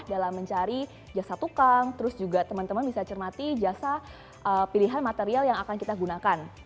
dalam mencari jasa tukang terus juga teman teman bisa cermati jasa pilihan material yang akan kita gunakan